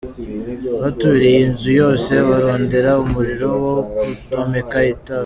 "Baturiye inzu yose barondera umuriro wo kudomeka itabi.